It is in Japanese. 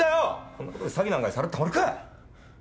こんなことで詐欺なんかにされてたまるか。